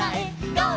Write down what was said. ゴー！」